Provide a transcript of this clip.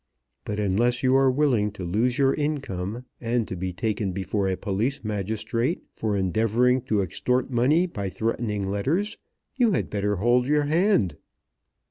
But unless you are willing to lose your income, and to be taken before a police magistrate for endeavouring to extort money by threatening letters, you had better hold your hand."